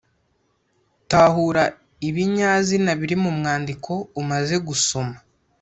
Tahura ibinyazina biri mu mwandiko umaze gusoma